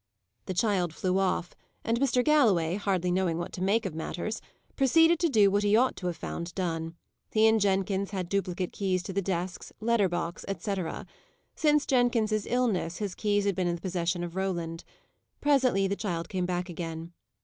The child flew off, and Mr. Galloway, hardly knowing what to make of matters, proceeded to do what he ought to have found done. He and Jenkins had duplicate keys to the desks, letter box, etc. Since Jenkins's illness, his keys had been in the possession of Roland. Presently the child came back again.